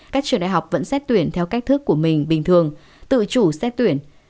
các trường đại học vẫn xét tuyển theo cách thức của mình bình thường tự chủ xét tuyển